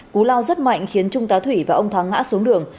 cú lao rất mạnh khiến trung tá thủy và ông thắng ngã xuống đường